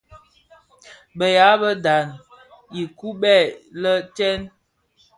Beya bë ndhaň ukibèè lè tsèn.